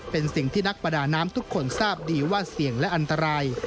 เป็นสิ่งที่นักประดาน้ำทุกคนทราบดีว่าเสี่ยงและอันตราย